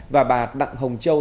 và bà đặng hồng châu